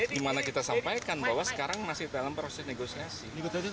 dimana kita sampaikan bahwa sekarang masih dalam proses negosiasi